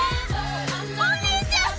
お兄ちゃん。